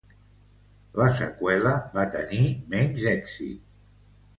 La seqüela va tenir menys èxit.